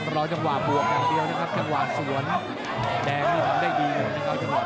รอจังหวะบวกอย่างเดียวนะครับจังหวะสวนแดงนี่ทำได้ดีเลยนะครับ